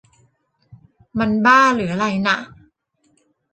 มันบ้าหรืออะไรนะ ?